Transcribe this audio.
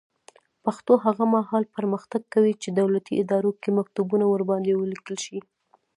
پښتو هغه مهال پرمختګ کوي چې دولتي ادارو کې مکتوبونه ورباندې ولیکل شي.